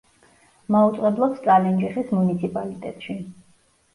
მაუწყებლობს წალენჯიხის მუნიციპალიტეტში.